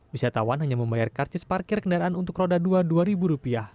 wisatawan hanya membayar karcis parkir kendaraan untuk roda dua dua ribu rupiah